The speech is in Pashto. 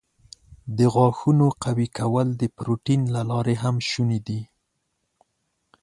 د غاښونو قوي کول د پروټین له لارې هم شونی دی.